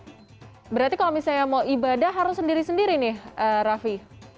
berarti kalau misalnya mau ibadah harus sendiri sendiri nih raffi